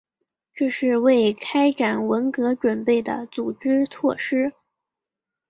这是为开展文革准备的组织措施。